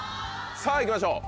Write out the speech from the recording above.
さぁ行きましょう。